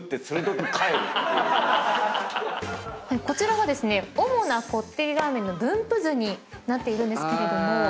こちらがですね主なこってりラーメンの分布図になっているんですけれども。